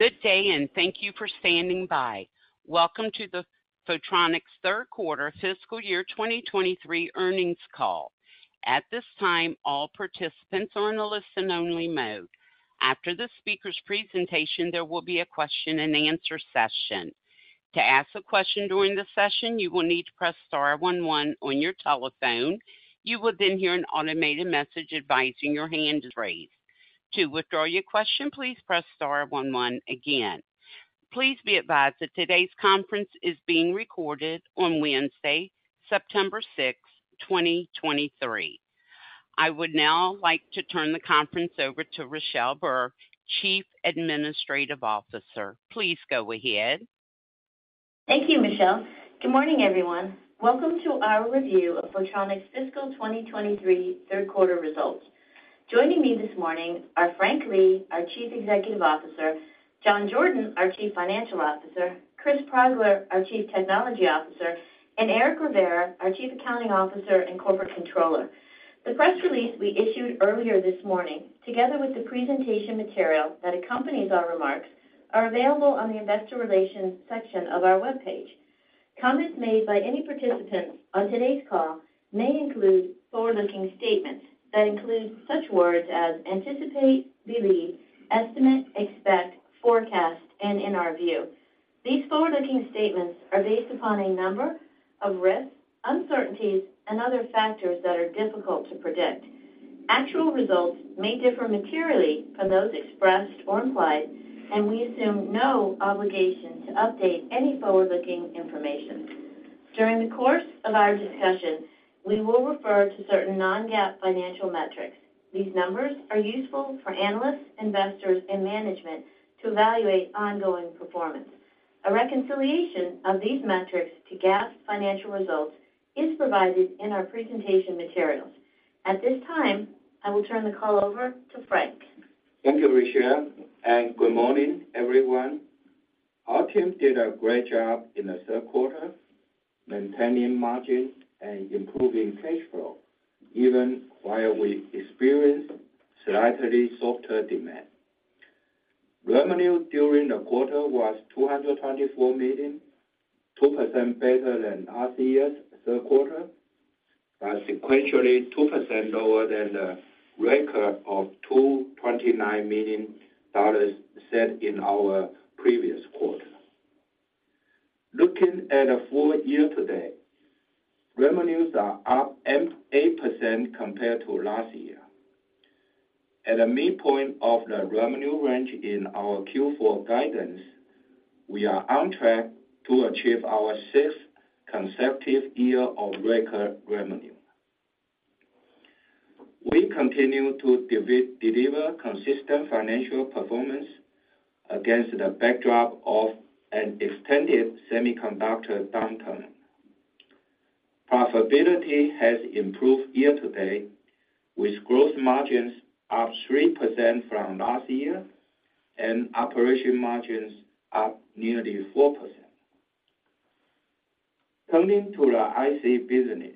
Good day, and thank you for standing by. Welcome to the Photronics third quarter fiscal year 2023 earnings call. At this time, all participants are in a listen-only mode. After the speaker's presentation, there will be a Q&A session. To ask a question during the session, you will need to press star one one on your telephone. You will then hear an automated message advising your hand is raised. To withdraw your question, please press star one one again. Please be advised that today's conference is being recorded on Wednesday, September 6, 2023. I would now like to turn the conference over to Richelle Burr, Chief Administrative Officer. Please go ahead. Thank you, Michelle. Good morning, everyone. Welcome to our review of Photronics' fiscal 2023 third quarter results. Joining me this morning are Frank Lee, our Chief Executive Officer, John Jordan, our Chief Financial Officer, Chris Progler, our Chief Technology Officer, and Eric Rivera, our Chief Accounting Officer and Corporate Controller. The press release we issued earlier this morning, together with the presentation material that accompanies our remarks, are available on the investor relations section of our webpage. Comments made by any participants on today's call may include forward-looking statements that include such words as anticipate, believe, estimate, expect, forecast, and in our view. These forward-looking statements are based upon a number of risks, uncertainties, and other factors that are difficult to predict. Actual results may differ materially from those expressed or implied, and we assume no obligation to update any forward-looking information. During the course of our discussion, we will refer to certain Non-GAAP financial metrics. These numbers are useful for analysts, investors, and management to evaluate ongoing performance. A reconciliation of these metrics to GAAP financial results is provided in our presentation materials. At this time, I will turn the call over to Frank. Thank you, Richelle, and good morning, everyone. Our team did a great job in the third quarter, maintaining margins and improving cash flow, even while we experienced slightly softer demand. Revenue during the quarter was $224 million, 2% better than last year's third quarter, but sequentially 2% lower than the record of $229 million set in our previous quarter. Looking at the full year today, revenues are up 8% compared to last year. At the midpoint of the revenue range in our Q4 guidance, we are on track to achieve our sixth consecutive year of record revenue. We continue to deliver consistent financial performance against the backdrop of an extended semiconductor downturn. Profitability has improved year to date, with gross margins up 3% from last year and operating margins up nearly 4%. Turning to the IC business.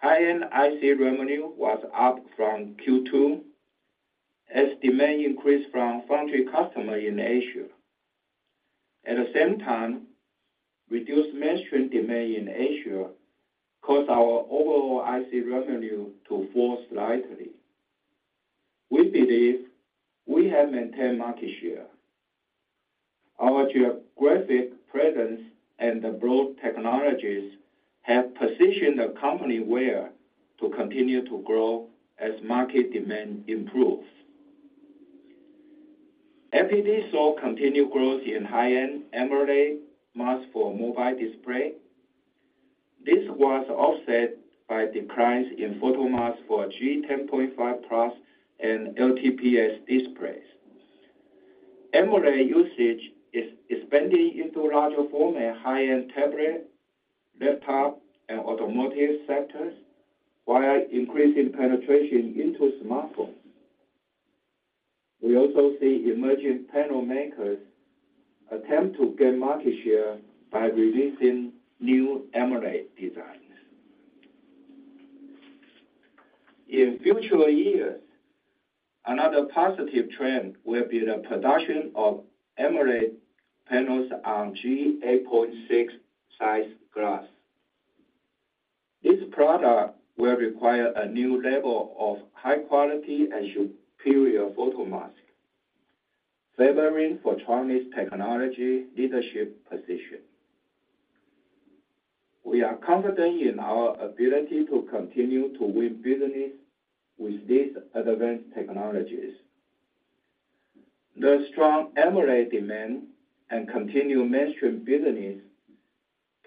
High-End IC revenue was up from Q2 as demand increased from foundry customer in Asia. At the same time, reduced mainstream demand in Asia caused our overall IC revenue to fall slightly. We believe we have maintained market share. Our geographic presence and the broad technologies have positioned the company well to continue to grow as market demand improves. FPD saw continued growth in high-end AMOLED masks for mobile display. This was offset by declines in photomasks for G10.5+ and LTPS displays. AMOLED usage is expanding into larger form and high-end tablet, laptop, and automotive sectors, while increasing penetration into smartphones. We also see emerging panel makers attempt to gain market share by releasing new AMOLED designs. In future years, another positive trend will be the production of AMOLED panels on G8.6 size glass. This product will require a new level of high quality and superior photomask, favoring Photronics' technology leadership position. We are confident in our ability to continue to win business with these advanced technologies. The strong AMOLED demand and continued mainstream business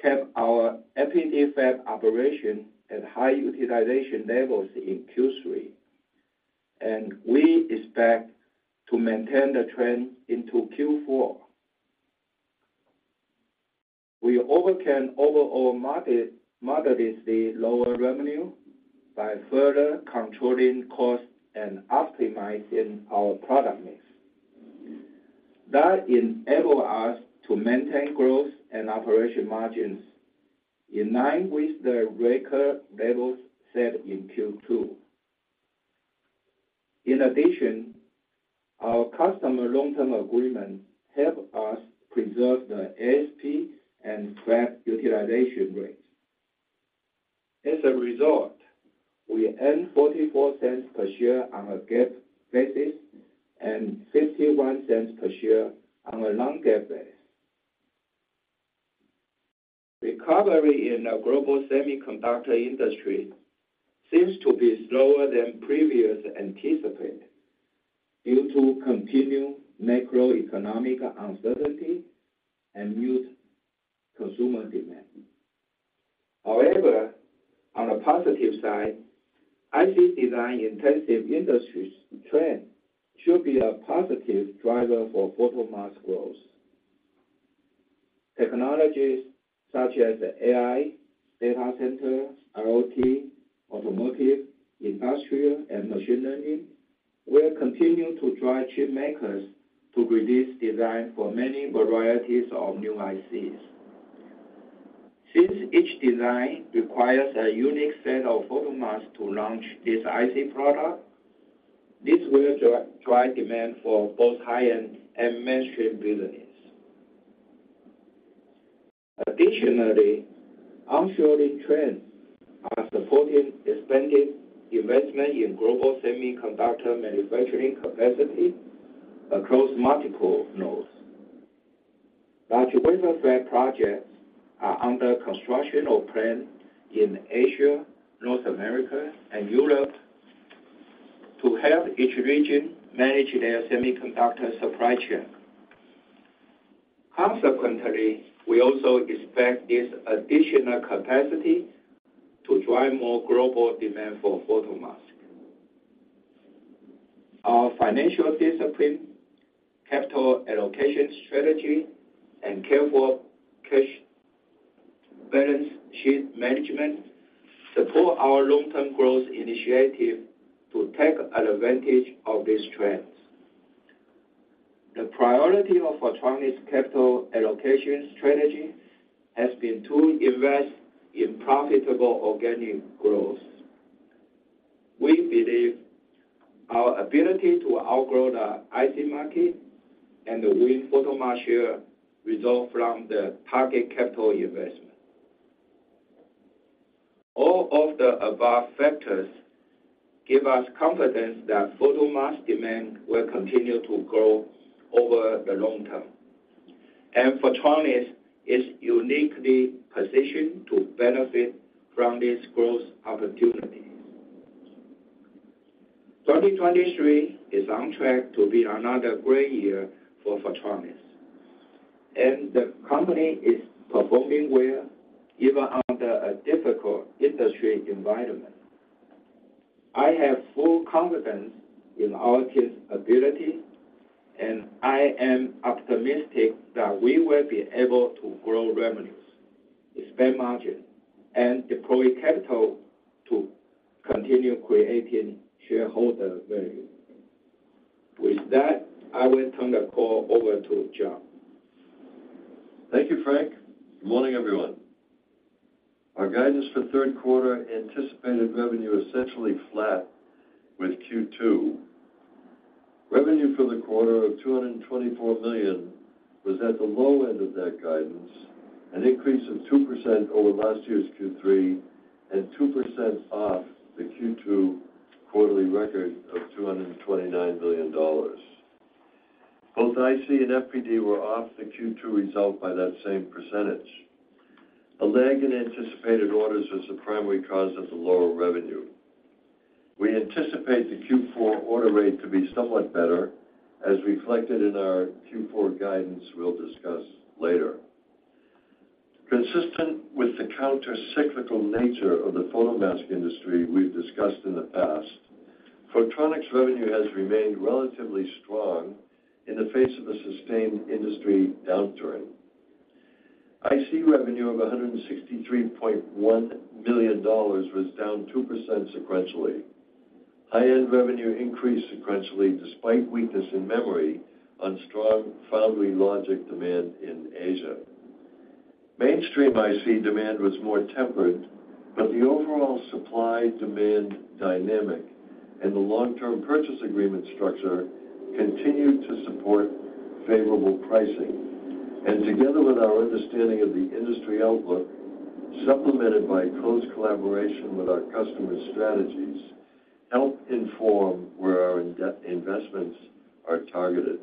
kept our FPD fab operation at high utilization levels in Q3, and we expect to maintain the trend into Q4. We overcame overall market modestly lower revenue by further controlling costs and optimizing our product mix. That enable us to maintain gross and operating margins in line with the record levels set in Q2. In addition, our customer long-term agreement help us preserve the ASP and fab utilization rates. As a result, we earned $0.44 per share on a GAAP basis, and $0.51 per share on a non-GAAP basis. Recovery in the global semiconductor industry seems to be slower than previously anticipated, due to continued macroeconomic uncertainty and muted consumer demand. However, on the positive side, IC design-intensive industries trend should be a positive driver for photomask growth. Technologies such as AI, data center, IoT, automotive, industrial, and machine learning will continue to drive chip makers to produce designs for many varieties of new ICs. Since each design requires a unique set of photomasks to launch this IC product, this will drive, drive demand for both high-end and mainstream business. Additionally, onshoring trends are supporting expanded investment in global semiconductor manufacturing capacity across multiple nodes. Multi-billion fab projects are under construction or planned in Asia, North America, and Europe to help each region manage their semiconductor supply chain. Consequently, we also expect this additional capacity to drive more global demand for photomasks. Our financial discipline, capital allocation strategy, and careful cash balance sheet management support our long-term growth initiative to take advantage of these trends. The priority of Photronics' capital allocation strategy has been to invest in profitable organic growth. We believe our ability to outgrow the IC market and win photomask share result from the target capital investment. All of the above factors give us confidence that photomask demand will continue to grow over the long term, and Photronics is uniquely positioned to benefit from this growth opportunity. 2023 is on track to be another great year for Photronics, and the company is performing well, even under a difficult industry environment. I have full confidence in our team's ability, and I am optimistic that we will be able to grow revenues, expand margin, and deploy capital to continue creating shareholder value. With` that, I will turn the call over to John. Thank you, Frank. Good morning, everyone. Our guidance for third quarter anticipated revenue essentially flat with Q2. Revenue for the quarter of $224 million was at the low end of that guidance, an increase of 2% over last year's Q3, and 2% off the Q2 quarterly record of $229 million. Both IC and FPD were off the Q2 result by that same percentage. A lag in anticipated orders was the primary cause of the lower revenue. We anticipate the Q4 order rate to be somewhat better, as reflected in our Q4 guidance we'll discuss later. Consistent with the countercyclical nature of the photomask industry we've discussed in the past, Photronics revenue has remained relatively strong in the face of a sustained industry downturn. IC revenue of $163.1 million was down 2% sequentially. High-End revenue increased sequentially, despite weakness in memory, on strong foundry logic demand in Asia. Mainstream IC demand was more tempered, but the overall supply-demand dynamic and the long-term purchase agreement structure continued to support favorable pricing. Together with our understanding of the industry outlook, supplemented by close collaboration with our customer strategies, help inform where our independent investments are targeted.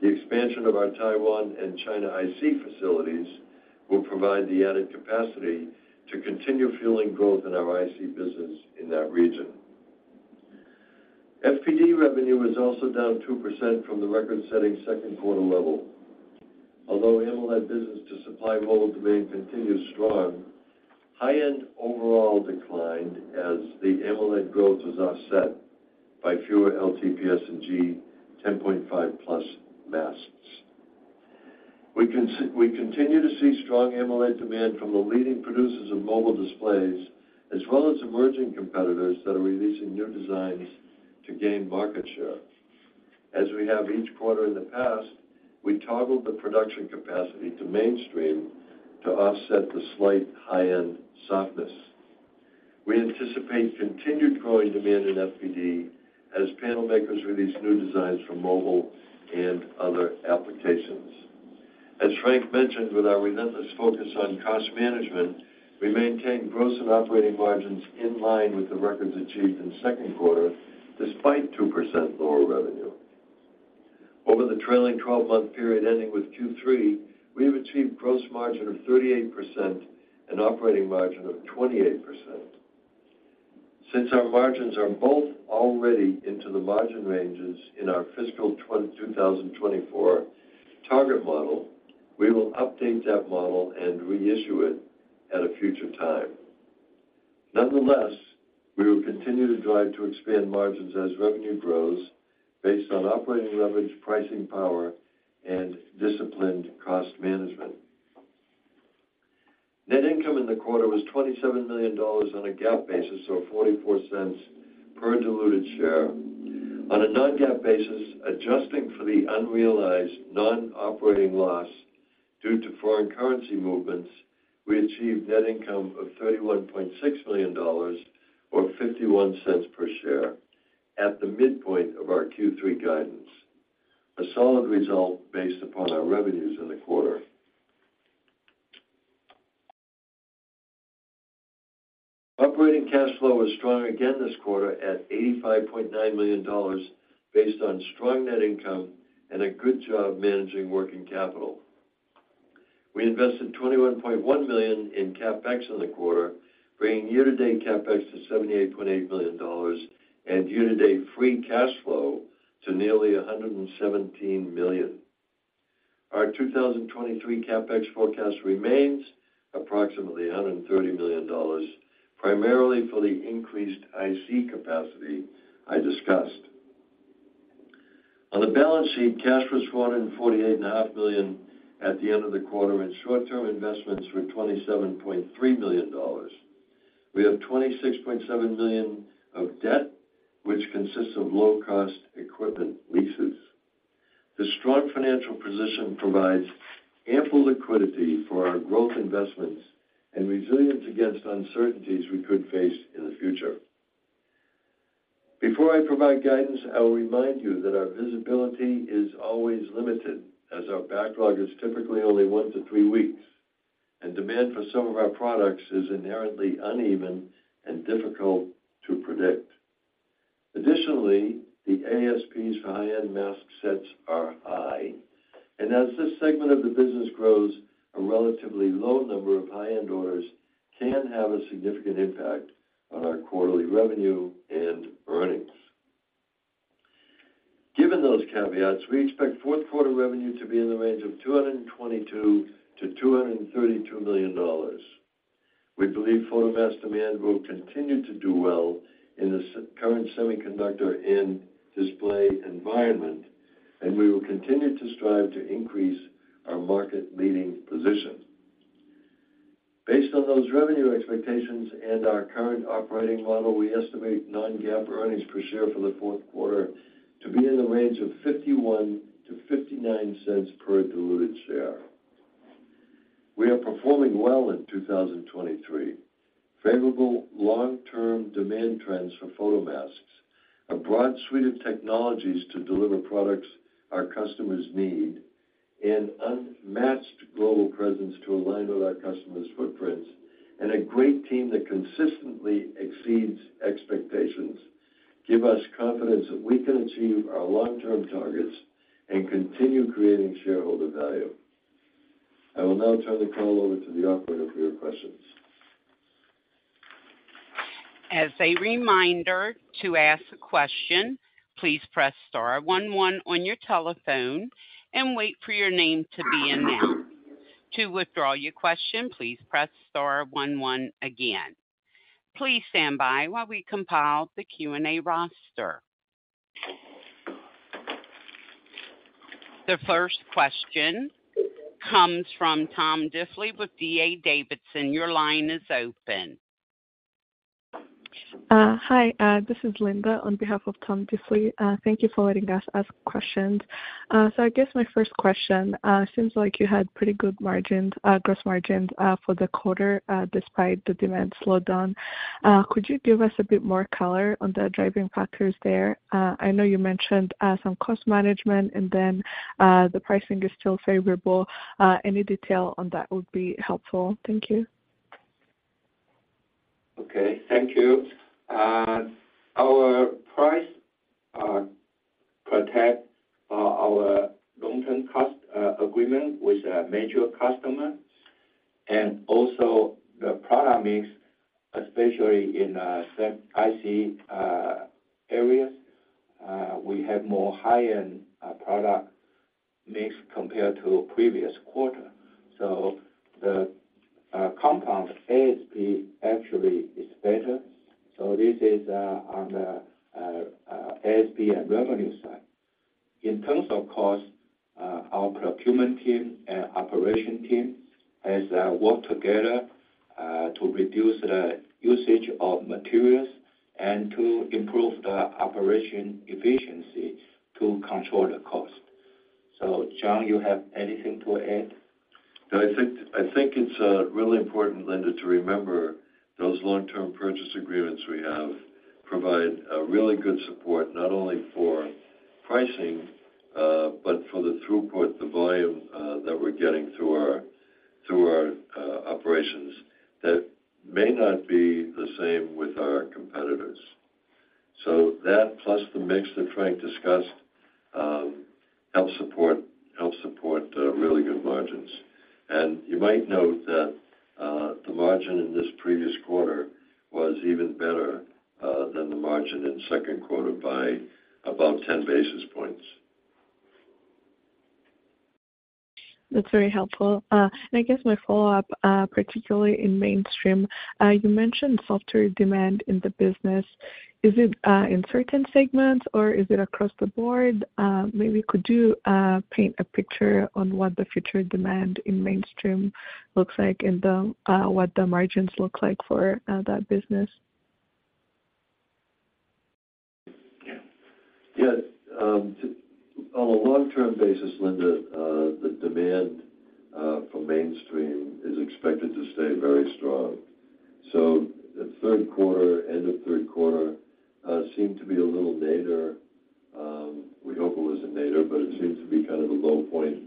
The expansion of our Taiwan and China IC facilities will provide the added capacity to continue fueling growth in our IC business in that region. FPD revenue was also down 2% from the record-setting second quarter level. Although AMOLED business to supply mobile demand continues strong, high-end overall declined as the AMOLED growth was offset by fewer LTPS and G10.5+ masks. We continue to see strong AMOLED demand from the leading producers of mobile displays, as well as emerging competitors that are releasing new design to gain market share. As we have each quarter in the past, we toggled the production capacity to mainstream to offset the slight high-end softness. We anticipate continued growing demand in FPD as panel makers release new designs for mobile and other applications. As Frank mentioned, with our relentless focus on cost management, we maintain gross and operating margins in line with the records achieved in the second quarter, despite 2% lower revenue. Over the trailing 12-month period ending with Q3, we have achieved gross margin of 38% and operating margin of 28%. Since our margins are both already into the margin ranges in our fiscal 2024 target model, we will update that model and reissue it at a future time. Nonetheless, we will continue to drive to expand margins as revenue grows based on operating leverage, pricing power, and disciplined cost management. Net income in the quarter was $27 million on a GAAP basis, $0.44 per diluted share. On a non-GAAP basis, adjusting for the unrealized non-operating loss due to foreign currency movements, we achieved net income of $31.6 million, or $0.51 per share, at the midpoint of our Q3 guidance, a solid result based upon our revenues in the quarter. Operating cash flow was strong again this quarter at $85.9 million, based on strong net income and a good job managing working capital. We invested $21.1 million in CapEx in the quarter, bringing year-to-date CapEx to $78.8 million and year-to-date free cash flow to nearly $117 million. Our 2023 CapEx forecast remains approximately $130 million, primarily for the increased IC capacity I discussed. On the balance sheet, cash was $448.5 million at the end of the quarter, and short-term investments were $27.3 million. We have $26.7 million of debt, which consists of low-cost equipment leases. The strong financial position provides ample liquidity for our growth investments and resilience against uncertainties we could face in the future. Before I provide guidance, I will remind you that our visibility is always limited, as our backlog is typically only one to three weeks, and demand for some of our products is inherently uneven and difficult to predict. Additionally, the ASPs for high-end mask sets are high, and as this segment of the business grows, a relatively low number of high-end orders can have a significant impact on our quarterly revenue and earnings. Given those caveats, we expect fourth quarter revenue to be in the range of $222 million-$232 million. We believe photomask demand will continue to do well in the current semiconductor and display environment, and we will continue to strive to increase our market-leading position. Based on those revenue expectations and our current operating model, we estimate non-GAAP earnings per share for the fourth quarter to be in the range of $0.51-$0.59 per diluted share. We are performing well in 2023. Favorable long-term demand trends for photomasks, a broad suite of technologies to deliver products our customers need, an unmatched global presence to align with our customers' footprints, and a great team that consistently exceeds expectations, give us confidence that we can achieve our long-term targets and continue creating shareholder value. I will now turn the call over to the operator for your questions. As a reminder, to ask a question, please press star one one on your telephone and wait for your name to be announced. To withdraw your question, please press star one one again. Please stand by while we compile the Q&A roster. The first question comes from Tom Diffely with D.A. Davidson. Your line is open. Hi, this is Linda on behalf of Tom Diffely. Thank you for letting us ask questions. So I guess my first question seems like you had pretty good margins, gross margins, for the quarter, despite the demand slowdown. Could you give us a bit more color on the driving factors there? I know you mentioned some cost management, and then, the pricing is still favorable. Any detail on that would be helpful. Thank you. Okay, thank you. Our price protect our long-term cost agreement with a major customer, and also the product mix, especially in set IC areas, we have more high-end product mix compared to previous quarter. So the compound ASP actually is better. So this is on the ASP and revenue side. In terms of cost, our procurement team and operation team has worked together to reduce the usage of materials and to improve the operation efficiency to control the cost. So John, you have anything to add? I think it's really important, Linda, to remember those long-term purchase agreements we have provide a really good support, not only for pricing, but for the throughput, the volume, that we're getting through our operations, that may not be the same with our competitors. So that, plus the mix that Frank discussed, help support really good margins. And you might note that the margin in this previous quarter was even better than the margin in second quarter by about 10 basis points. That's very helpful. I guess my follow-up, particularly in mainstream, you mentioned softer demand in the business. Is it in certain segments, or is it across the board? Maybe could you paint a picture on what the future demand in mainstream looks like, and what the margins look like for that business? Yeah. Yes, on a long-term basis, Linda, the demand for mainstream is expected to stay very strong. So the third quarter, end of third quarter, seemed to be a little nadir. We hope it was a nadir, but it seems to be kind of a low point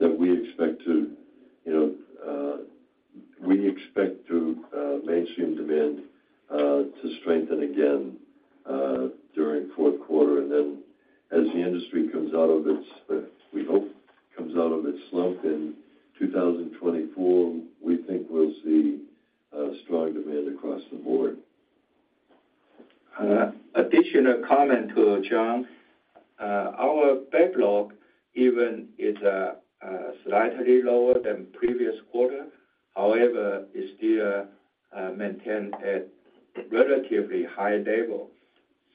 that we expect to, you know, we expect to mainstream demand to strengthen again during fourth quarter. And then as the industry comes out of its, we hope, comes out of its slump in 2024, we think we'll see strong demand across the board. Additional comment to John. Our backlog even is slightly lower than previous quarter. However, it still maintain a relatively high level.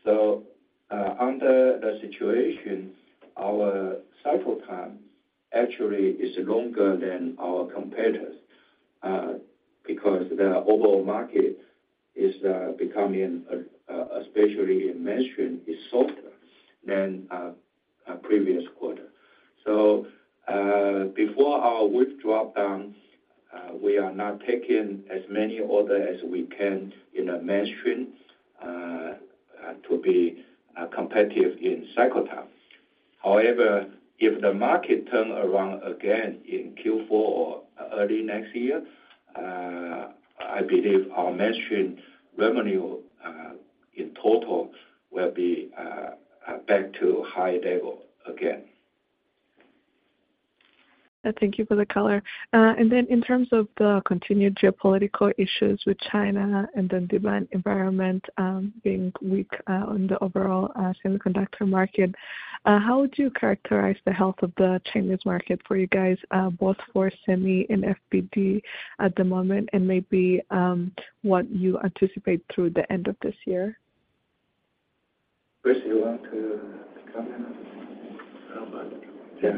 So, under the situation, our cycle time actually is longer than our competitors, because the overall market is becoming, especially in mainstream, is softer than our previous quarter. So, before our withdrawal down, we are now taking as many order as we can in a mainstream, to be competitive in cycle time. However, if the market turn around again in Q4 or early next year, I believe our mainstream revenue, in total will be back to high level again. Thank you for the color. And then in terms of the continued geopolitical issues with China and the demand environment being weak on the overall semiconductor market, how would you characterize the health of the Chinese market for you guys both for Semi and FPD at the moment, and maybe what you anticipate through the end of this year? Chris, you want to comment? I don't mind. Yeah, we can give you support. Yeah. You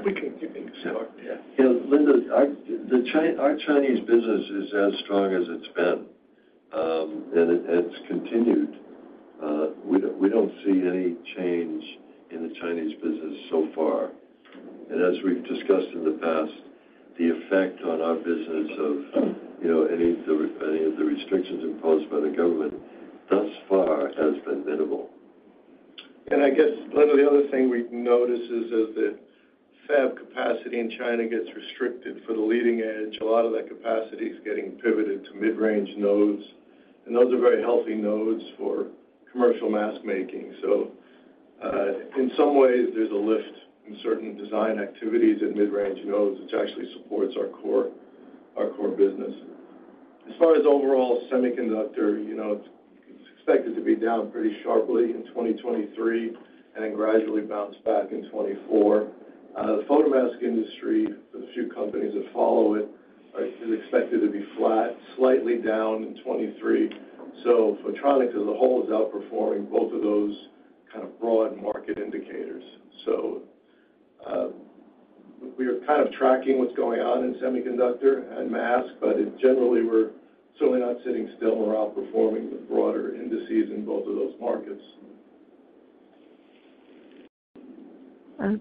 know, Linda, our Chinese business is as strong as it's been, and it's continued. We don't see any change in the Chinese business so far. And as we've discussed in the past, the effect on our business of, you know, any of the restrictions imposed by the government thus far has been minimal. And I guess, Linda, the other thing we've noticed is, as the fab capacity in China gets restricted for the leading edge, a lot of that capacity is getting pivoted to mid-range nodes, and those are very healthy nodes for commercial mask making. So, in some ways there's a lift in certain design activities at mid-range nodes, which actually supports our core, our core business. As far as overall semiconductor, you know, it's expected to be down pretty sharply in 2023, and then gradually bounce back in 2024. The photomask industry, the few companies that follow it, is expected to be flat, slightly down in 2023. So Photronics as a whole, is outperforming both of those kind of broad market indicators. So, we are kind of tracking what's going on in semiconductor and mask, but generally, we're certainly not sitting still we're outperforming the broader indices in both of those markets.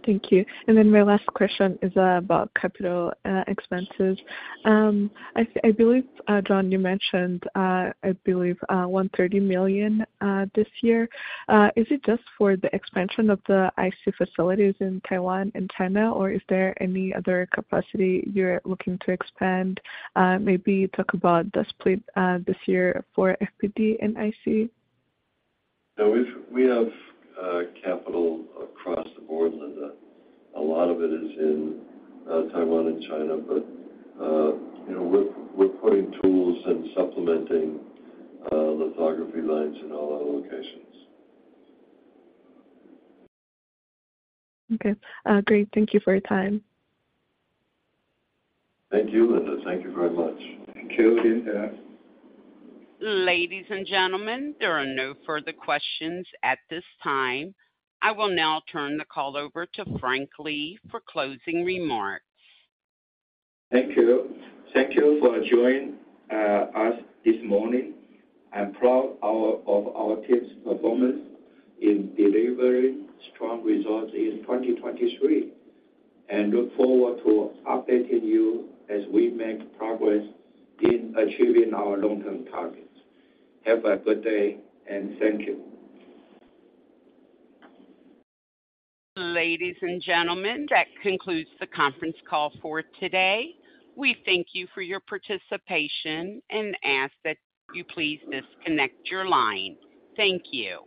Thank you. And then my last question is about capital expenses. I believe, John, you mentioned, I believe, $130 million this year. Is it just for the expansion of the IC facilities in Taiwan and China, or is there any other capacity you're looking to expand? Maybe talk about the split this year for FPD and IC. No, we have capital across the board, Linda. A lot of it is in Taiwan and China, but you know, we're putting tools and supplementing lithography lines in all our locations. Okay. Great. Thank you for your time. Thank you, Linda. Thank you very much. Thank you. Yeah. Ladies and gentlemen, there are no further questions at this time. I will now turn the call over to Frank Lee for closing remarks. Thank you. Thank you for joining us this morning. I'm proud of our team's performance in delivering strong results in 2023, and look forward to updating you as we make progress in achieving our long-term targets. Have a good day, and thank you. Ladies and gentlemen, that concludes the conference call for today. We thank you for your participation and ask that you please disconnect your line. Thank you.